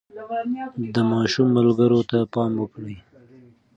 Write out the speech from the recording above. د ماشوم ملګرو ته پام وکړئ.